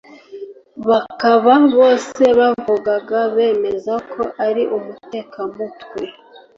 Bakaba bose bavugaga bemeza ko ari umutekamutwe